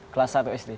kelas satu sd